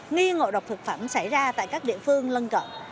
nghi ngộ độc thực phẩm xảy ra tại các địa phương lân cận